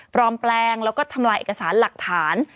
แปลงแล้วก็ทำลายเอกสารหลักฐาน